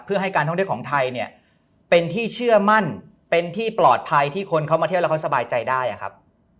เพื่อให้การท่องเที่ยวของไทยเนี่ยเป็นที่เชื่อมั่นเป็นที่ปลอดภัยที่คนเขามาเที่ยวแล้วเขาสบายใจได้ครับ